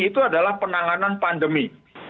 itu adalah penanganan pandemi